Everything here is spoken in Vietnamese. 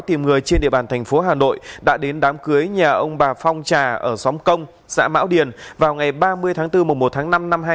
tìm người trên địa bàn tp hà nội đã đến đám cưới nhà ông bà phong trà ở xóm công xã mão điền vào ngày ba mươi tháng bốn một tháng năm hai nghìn hai mươi một